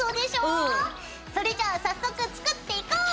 それじゃあ早速作っていこう！